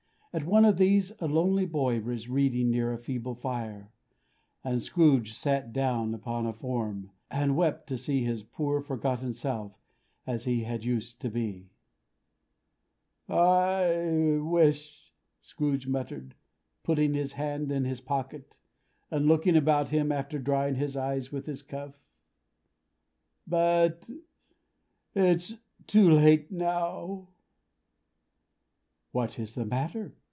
At one of these a lonely boy was reading near a feeble fire; and Scrooge sat down upon a form, and wept to see his poor forgotten self as he had used to be. "I wish," Scrooge muttered, putting his hand in his pocket, and looking about him, after drying his eyes with his cuff: "but it's too late now." "What is the matter?"